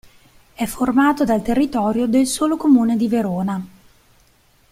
È formato dal territorio del solo comune di Verona.